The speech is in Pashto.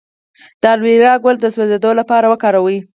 د الوویرا ګل د سوځیدو لپاره وکاروئ